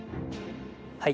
はい。